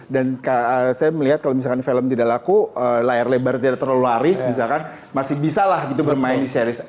dan saya melihat kalau misalkan film tidak laku layar lebar tidak terlalu laris misalkan masih bisa lah gitu bermain di series